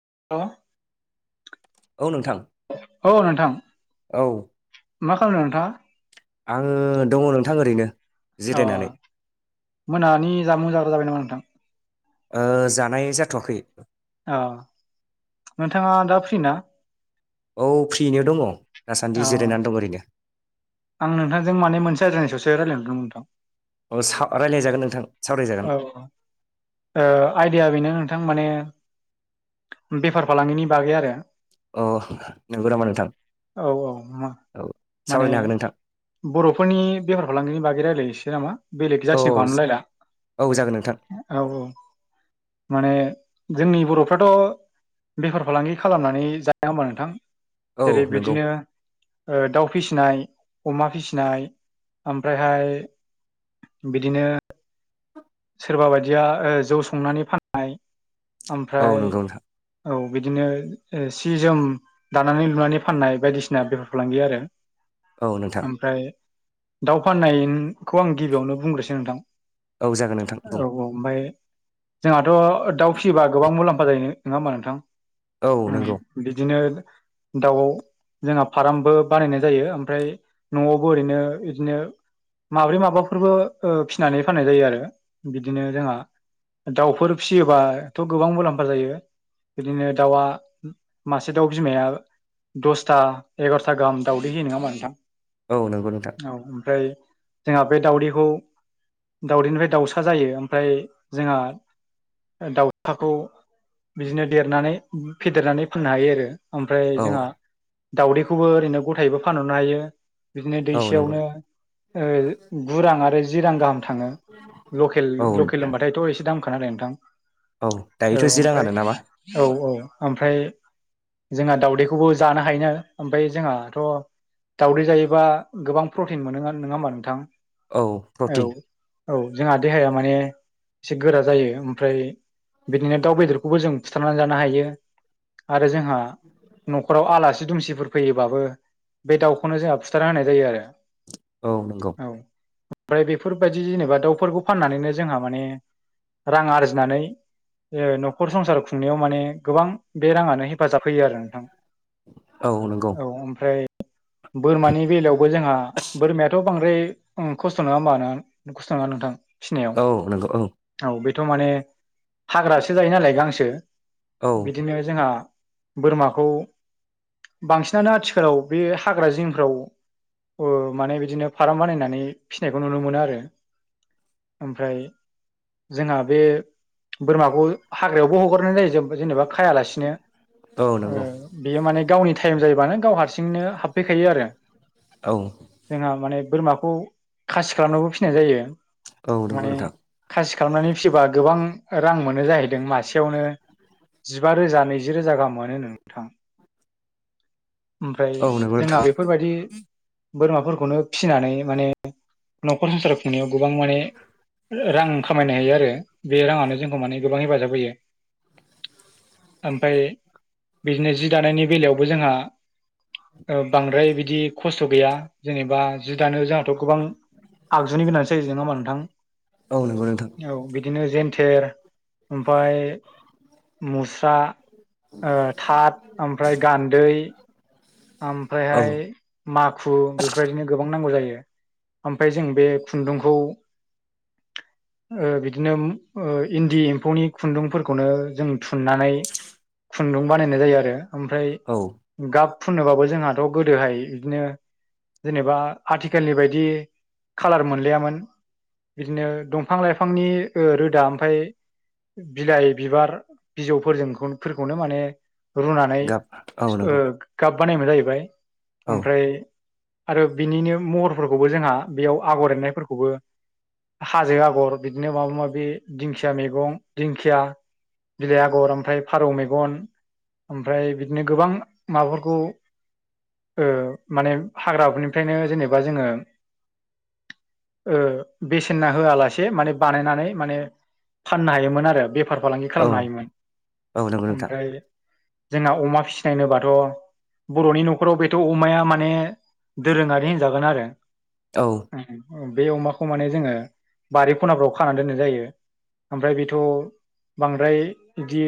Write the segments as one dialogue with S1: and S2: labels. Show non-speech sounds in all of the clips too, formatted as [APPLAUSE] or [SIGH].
S1: [UNINTELLIGIBLE]
S2: औ नोंथां।
S1: औ नोंथां।
S2: औ।
S1: मा खालामनो नोंथाङा?
S2: आंङो दङ नोंथां ओरैनो
S1: अ
S2: जिरायनानै।
S1: मोनानि जामुं जाग्रा जाबाय नामा नोंथां?
S2: ओ जानाय जाथ'वाखै।
S1: औ नोंथाङा दा फ्रि ना?
S2: औ फ्रियैनो दङ
S1: अ
S2: दासान्दि जिरायनानै दङ ओरैनो।
S1: आं नोंथांजों माने मोनसे आयदानि सायावसो रायलायदोंमोन नोंथां।
S2: औ सा रायज्लाय जागोन नोंथां सावरायजागोन।
S1: औ ओ आइडाया बेनो नोंथां माने बेफार फालांगिनि बागै आरो।
S2: अ नंगौ नामा नोंथां
S1: औ औ
S2: औ
S1: माने
S2: सावरायनो हागोन नों
S1: बर'फोरनि बेफार फालांगिनि बागै रायलायनोसै नामा बेलेग
S2: औ
S1: जाथिनि खालामनो लायला।
S2: औ जागोन नोंथां
S1: औ- औ माने जोंनि बर'फ्राथ' बेफार फालांगि खालामनानै जाया होमबा नोंथां?
S2: औ
S1: जेरै
S2: नंगौ
S1: बिदिनो ओ दाउ फिसिनाय अमा फिसिनाय ओमफ्रायहाय बिदिनो सोरबा बायदिया ओ जौ संनानै फाननाय
S2: औ
S1: ओमफ्राय
S2: नंगौ नोंथां
S1: औ बिदिनो सि जोम दानानै लुनानै फाननाय बायदिसिना बेफार फालांगि आरो।
S2: औ नोंथां
S1: ओमफ्राय दाउ फाननायखौ आं गिबियावनो बुंग्रोसै नोंथां।
S2: औ जागोन नोंथां
S1: औ -
S2: बुं
S1: औ ओमफाय जोंहाथ' दाउ फिसियोबा गोबां मुलाम्फा जायो नङा होमबा नोंथां?
S2: औ नंगौ
S1: ओम बिदिनो दाउआव जोंहा फार्मबो बानायनाय जायो ओमफ्राय न'आवबो ओरैनो बिदिनो माब्रै माबाफोरबो ओ फिनानै फाननाय जायो आरो बिदिनो जोंहा दाउफोर फिसियोबाथ' गोबां मुलाम्फा जायो। बिदिनो दाउआ मासे दाउ बिमाया दसथा एगार'था गाहाम दावदै होयो नङा होमबा नोंथां?
S2: नंगौ नोंथां
S1: औ ओमफ्राय जोंहा बे दाउदैखौ दाउदैनिफ्राय दाउसा सा जायो ओमफ्राय जोंहा दाउसाखौ बिदिनो देरनानै फेदेरनानै फोननो हायो आरो। ओमफ्राय
S2: औ
S1: जोंहा दाउदैखौबो ओरैनो गथायैबो फानहरनो हायो। बिदिनो
S2: औ नंगौ
S1: दैसेयावनो ओ गु रां आरो जि रां गाहाम थाङो।
S2: औ
S1: लकेल-लकेल होमबाथायथ' एसे दामखानालाय नोंथां।
S2: औ दायोथ'
S1: औ
S2: जि
S1: ओमफ्राय
S2: राङानो नामा
S1: औ-औ ओमफ्राय जोंहा दावदैखौबो जानो हायोना ओमफाय जोंहाथ'। दावदै जायोबा गोबां प्रटिन मोनो नोङा होमबा नोंथां?
S2: औ
S1: औ
S2: प्रटिन।
S1: औ जोंहा देहाया माने एसे गोरा जायो ओमफ्राय बिदिनो दाउ बेदरखौबो जों फुथारना जानो हायो आरो जोंहा न'खराव आला सि दुमसिफोर फैयोबाबो बे दाउखौनो जोंहा फुथारना होनाय जायो आरो।
S2: औ नंगौ।
S1: औ ओमफ्राय बेफोरबायदि जेनेबा दाउफोरखौ फाननानैनो जोंहा माने रां आरजिनानै ओ न'खर संसार खुंनायाव माने गोबां बे राङानो हे फाजाब होयो आरो नोंथां
S2: औ नंगौ
S1: औ ओमफ्राय बोरमानि बेलायावबो जोंहा बोरमायाथ' बांद्राय ओं खस्थ' नोङा होमबा ना खस्थ' नङा नोंथां।
S2: औ नंगौ ओं।
S1: थ' माने हाग्रासो जायो नालाय गांसो
S2: औ
S1: बिदिनो जोंहा बोरमाखौ बांसिनानो आथिखालाव बे हाग्रा जिंफ्राव ओ माने बिदिनो फाराम बानायनानै फिसिनायखौ नुनो मोनो आरो। ओमफ्राय जोंहा बे बोरमाखौ हाग्रायावबो हगारनाय जायो जेब-जेनेबा खायालासिनो
S2: औ
S1: ओ
S2: नंगौ
S1: बेयो माने गावनि टाइम जायोबानो गाव हारसिंनो हाबफैखायो आरो
S2: औ
S1: जोंहा माने बोरमाखौ खासि खालामनाबो फिसिनाय जायो।
S2: औ नोंगौ
S1: माने
S2: नोंथां।
S1: खासि खालामनानै फिसिबा गोबां रां मोनो जाहैदों मासेयावनो जिबा रोजा नैजि रोजा गाहाम मोनो नोंथां ओमफ्राय
S2: औ नंगौ
S1: जोंहा
S2: नोंथां
S1: बेफोरबायदि बोरमाफोरखौनो फिसिनानै माने न'खर संसाराव खुंनायाव गोबां माने रां खामायनो हायो आरो। बे राङानो जोंखौ माने गोबां हेफाजाब होयो। ओमफाय बिदिनो जि दानायनि बेलायावबो जोंहा ओ बांद्राय बिदि खस्थ' गैया जेनेबा जि दानो जोंहाथ' गोबां आगजुनि गोनांथि जायो नोङा होमबा
S2: औ नंगौ नोंथां
S1: नोंथां औ बिदिनो जेन थेर ओमफाय मुस्रा। ओ थाथ ओमफ्राय गान्दै।
S2: औ
S1: ओमफ्रायहाय माखु बेफोरबायदिनो गोबां नांगौ जायो। ओमफाय जों बे खुन्दुंखौ ओ बिदिनो उम ओ इन्दि एम्फौनि खुन्दुंफोरखौनो जों थुननानै। खुन्दुं बानायनाय जायो आरो ओमफ्राय
S2: औ
S1: गाब फुननोबाबो जोंहाथ' गोदोहाय इदिनो जेनेबा आथिखालनि बायदि खालार मोनलायामोन। बिदिनो दंफां-लाइफांनि ओ रोदा ओमफाय बिलाइ बिबार बिजौफोरजोंखौन फोरखौनो माने रुनानै
S2: गाब औ
S1: ओ
S2: नंगौ
S1: गाब बानायोमोन जाहैबाय
S2: औ
S1: ओमफ्राय आरो बिनिनो महरफोरखौबो जोंहा बेयाव आगर एरनायफोरखौबो हाजो आगर बिदिनो माबा माबि दिंखिया मैगं दिंखिया बिलाइ आगर ओमफ्राय फारौ मेगन ओमफ्राय बिदिनो गोबां माबाफोरखौ ओ माने हाग्राफोरनिफ्रायनो जेनेबा जोङो ओ बेसेन ना होआलासे माने बानायनानै माने फाननो हायोमोन आरो बे फार फालांगि
S2: औ
S1: खालामनो हायोमोन
S2: औ नंगौ नोंथां
S1: ओमफ्राय जोंना अमा फिसिनाय होनोबा थ' बर'नि न'खराव बेथ' अमाया माने दोरोङारि होनजागोन आरो।
S2: औ।
S1: ओम बे अमाखौ माने जोङो बारि खनाफ्राव खानानै दोननाय जायो ओमफ्राय बेथ' बांद्राय बिदि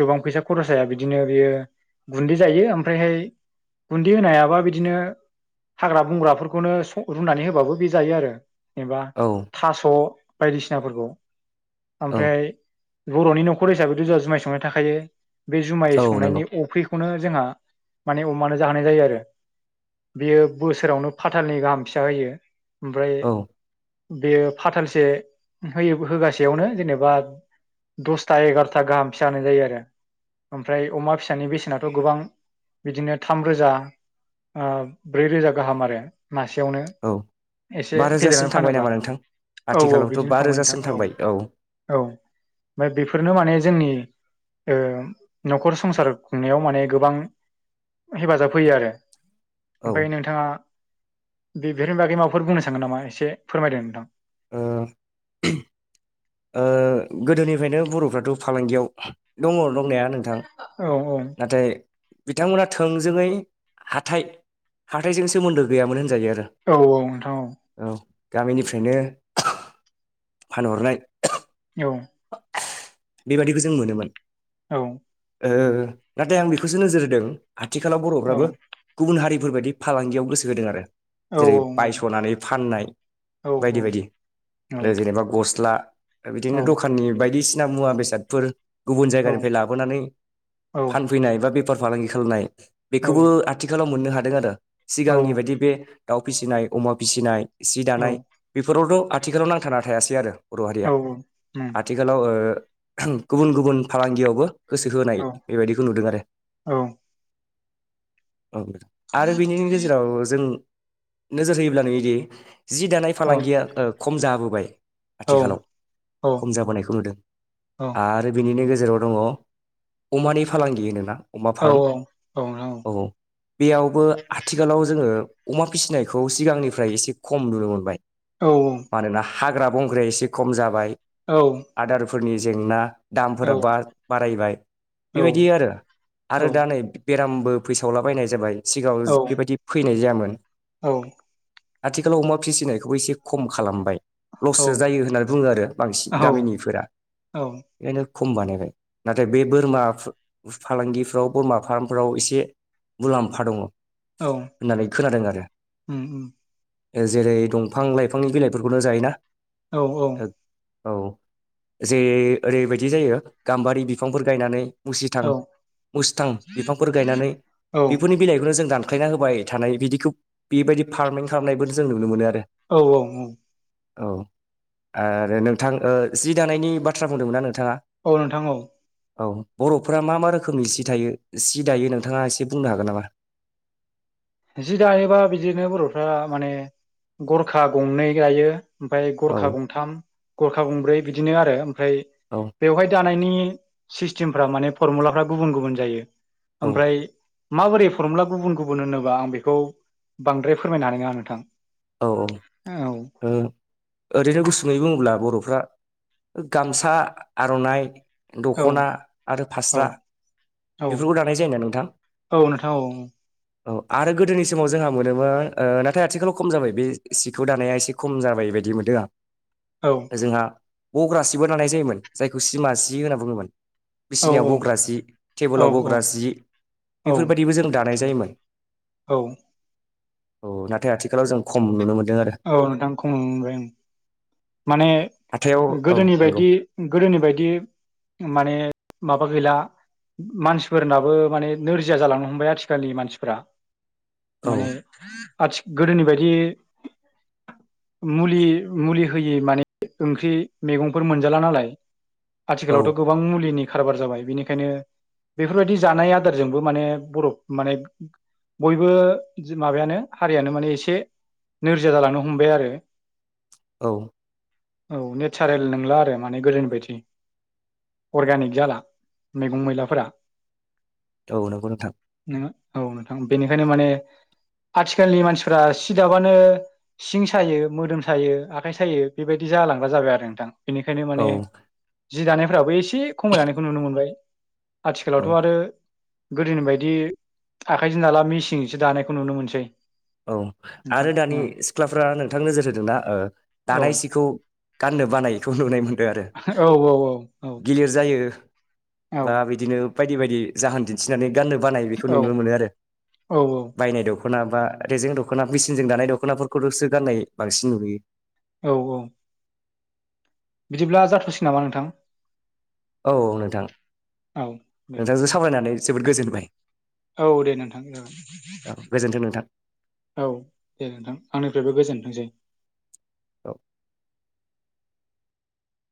S1: गोबां फैसा खरस जाया बिदिनो बेयो गुन्दै जायो ओमफ्रायहाय गुन्दि होनो हायाबा बिदिनो हाग्रा बंग्राफोरखौनो रुनानै होबाबो बे जायो आरो। जेनेबा
S2: औ
S1: थास' बायदिसिनाफोरखौ
S2: औ
S1: ओमफ्राय बर'नि न'खर हिसाबैथ जोंहा जुमाय संनाय थाखायो बे जुमाय
S2: औ नंगौ
S1: संनायनि अफ्रिखौनो जोंहा माने अमानो जाहोनाय जायो आरो। बियो बोसोरावनो फाथालनै गाहाम फिसा होयो ओमफ्राय
S2: औ
S1: बेयो फाथालसे होयो होगासेयावनो जेनेबा दसथा एगार'था गाहाम फिसा होनाय जायो आरो ओमफ्राय अमा फिसानि बेसेनाथ' थ' गोबां बिदिनो थाम रोजा ओ ब्रै रोजा गाहाम आरो मासेयावनो
S2: औ
S1: एसे
S2: बा रोजासिम
S1: फेदेरनानै
S2: थांबाय
S1: फानोबा
S2: नामा नोंथां
S1: औ औ
S2: आथिखालावथ'
S1: बिदिनो
S2: बा
S1: थांबाय नोंथां
S2: रोजासिम
S1: औ औ।
S2: थांबाय
S1: ओमफाय बेफोरनो माने जोंनि ओ न'खर संसार खुंनायाव माने गोबां हेफाजाब होयो आरो
S2: औ ओ
S1: ओमफाय नोंथाङा बेफोरनि बागै माबाफोर बुंनो सानगोन नामा एसे फोरमायदों नोंथां।
S2: ओ ओ गोदोनिफ्रायनो बर'फ्राथ' फालांगियाव दङ दंनाया नोंथां
S1: औ
S2: नाथाय बिथांमोना थोंजोङै हाथाइ हाथायइजों सोमोन्दो गैयामोन होनजायो आरो।
S1: औ औ नोंथां औ।
S2: गामिनिफ्रायनो फानहरनाय
S1: औ
S2: बेबादिखौ जों मोनोमोन नाथाय आं बेखौसो नोजोर होदों आथिखालाव बर'फ्राबो गुबुन हारि बेफोरबायदि फालांगियाव गोसो होदों आरो
S1: औ
S2: जेरै
S1: औ
S2: बायस'नानै फाननाय
S1: औ
S2: बायदि बायदि जेनेबा गस्ला
S1: औ
S2: बिदिनो दखाननि बायदिसिना बसिना मुवा बेसादफोर गुबुन
S1: औ
S2: जायगानिफ्राय लाबोनानै फानफैनाय एबा बे बेफार फालांगि खालामनाय
S1: औ
S2: बेखौबो आथिखालाव मोननो हादों आरो
S1: औ
S2: सिगांनि बायदि बे दाउ फिसिनाय, अमा फिसिनाय, सि
S1: औ
S2: दानाय बेफोरावथ' आथिखालाव नांथा थायासै आरो बर' हारिया।
S1: औ उम
S2: आथिखालाव ओ गुबुन गुबुन फालांगियावबो गोसो होनाय
S1: औ
S2: बेबायदिखौ नुदों आरो।
S1: औ
S2: औ आरो बिनि गेजेराव जों नोजोर होयोब्ला नुयोदि‌ जि दानाय
S1: औ
S2: फालांगिया ओ खम जाबोबाय आथिखालाव।
S1: औ
S2: खम जाबोनायखौ नुदों आरो बे बिनि गेजेराव दङ अमानि फालांगि नोंना
S1: औ औ औ औ।
S2: बेयावबो आथिखालाव जोङो अमा फिसिनायखौ सिगांनिफ्राय एसे खम नुनो मोनबाय।
S1: औ -औ।
S2: मानोना हाग्रा बंग्राया एसे खम जाबाय।
S1: औ।
S2: फोरनि जेंना दामफोरा बा-बारायबाय बेबायदि आरो आरो दा नै बेरामबो फैसावलाबायनाय जाबाय सिगाङाव बेबायदि फैनाय जायामोन। आथिखालाव अमा फिसिनायखौबो एसे खम खालामबाय लससो जायो होननानै बुङो आरो बांसिन गामिनिफोरा
S1: औ औ
S2: बेखायनो खम बानायबाय नाथाय बे बोरमा फा फालांगिफ्राव बोरमा फार्मफ्राव एसे मुलाम्फा दङ होननानै खोनादों आरो।
S1: उम उम
S2: ओ जेरै दंफां लाइफांनि बिलाइफोरखौनो जायोना।
S1: औ औ।
S2: औ जे ओरैबायदि जायो गाम्बारि बिफांफोर गायनानै मुसिथां
S1: औ
S2: मुसथां बिफांफोर गायनानै
S1: औ
S2: बेफोरनि बिलाइखौनो जों दान ख्लायना होबाय थानाय बिदिखौ बेबायदि फार्मिं खालामनायबो जों नुनो मोनो आरो।
S1: औ औ औ।
S2: औ आरो नोंथां ओ जि दानायनि बाथ्रा बुंदोंमोनना नों?
S1: औ नोंथां औ।
S2: औ बर'फोरा मा मा रोखोमनि जि थायो जि दायो नोंथाङा एसे बुंनो हागोन नामा?
S1: जि दायोबा बिदिनो बर'फ्रा माने गरखा गंनै गायो। ओमफाय
S2: औ
S1: गरखा गंथाम गरखा गंब्रै बिदिनो आरो ओमफ्राय
S2: औ
S1: बेवहाय दानायनि सिस्थिमफ्रा माने फरमुलाफ्रा गुबुन गुबुन जायो।
S2: औ
S1: ओमफ्राय माबोरै फरमुला गुबुन गुबुन होनोबा आं बेखौ बांद्राय फोरमायनो हानाय नोङा नोंथां।
S2: औ औ
S1: औ
S2: ओ ओरैनो गुसुुङै बुङोब्ला बर'फ्रा गामसा आर'नाइ
S1: औ
S2: दख'ना आरो
S1: औ
S2: फास्रा बेफोरखौ
S1: औ
S2: दानाय जायो ना नोंथां?
S1: औ नोंथां औ
S2: औ आरो गोदोनि समाव जोंहा मोनोमोन ओ नाथाय आथिखालाव खम जाबाय बे सिखौ दानाया एसे खम जाबाय बायदि मोनदों आं।
S1: औ
S2: जोंहा बग्रा सिबो दानाय जायोमोन जायखौ सिमा सि होनना बुङोमोन।
S1: औ
S2: बिसिनायाव बग्रा जि
S1: औ
S2: टेबोलाव
S1: औ
S2: बग्रा जि बेफोरबायदिबो जों दा दानाय जायोमोन।
S1: औ
S2: औ नाथाय आथिखालाव जों खम नुनो मोनो।
S1: औ नोंथां खम नुनो मोनबाय ओं। माने
S2: हाथायाव औ
S1: गोदोनि
S2: नंगौ
S1: बायदि गोदोनि बायदि माने माबा गैला मानसिफोरनाबो माने नोरजिया जालांनो हमबाय आथिखालनि मानसिफ्रा।
S2: औ
S1: माने आथि गोदोनि बायदि मुलि मुलि होयै माने ओंख्रि मेगंफोर मोनजाला नालाय
S2: औ
S1: आथिखालावथ' गोबां मुलिनि खारबार जाबाय बेनिखायनो बेफोरबायदि जानाय आदारजोंबो माने बरफ माने बयबो माबायानो हारियानो माने एसे नोरजिया जालांनो हमबाय आरो।
S2: औ
S1: औ नेचारेल नोंला आरो माने गोदोनि बायदि। अर्गेनिक जाला मैगं मैलाफोरा।
S2: औ नंगौ नोंथां।
S1: औ नोंथां बेनिखायनो माने आथिखालनि मानसिफोरा सि दाबानो सिं सायो मोदोम सायो आ आखाय सायो बेबायदि जालांग्रा जाबाय आरो नोंथां बेनिखायनो
S2: औ
S1: माने जि दानायफोराबो एसे से खमायलांनायखौ नुनो मोनबाय।
S2: औ
S1: आथिखालावथ' आरो गोदोनि बायदि आखाइजों दाला मेसिंजोंसो दानायखौ नुनो मोनसै।
S2: औ
S1: नोंथां
S2: आरो दानि सिख्लाफ्रा नोंथां नोजोर होदोंना ओ
S1: औ
S2: दानाय सिखौ गाननो बानायखौ नुनाय मोनदों आरो
S1: औ औ औ
S2: गिलिर जायो।
S1: औ
S2: बा बिदिनो बायदि बायदि जाहोन दिन्थिनानै गाननो बानाय बेखौ नुनो मोनो आरो
S1: औ
S2: बायनाय दख'ना बा रेजें दख'ना मेसिनजों दानाय दख'नाफोरखौल'सो गान्नाय बांसिन नुयो।
S1: औ औ। बिदिब्ला जाथ'सि नामा नोंथां?
S2: औ औ नोंथां
S1: औ दे
S2: नोंथांजों सावरायनानै जोबोद गोजोनबाय।
S1: औ दे नोंथां
S2: औ
S1: जागोन।
S2: गोजोन्थों नोंथां
S1: औ दे नोंथां आंनिफ्रायबो गोजोनथोंसै।
S2: औ